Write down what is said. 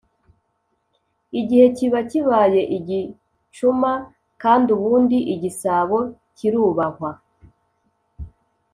igihe kiba kibaye igicuma, kandi ubundi igisabo kirubahwa.”